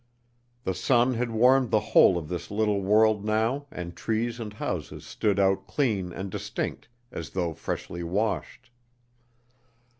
The sun had warmed the whole of this little world now and trees and houses stood out clean and distinct as though freshly washed.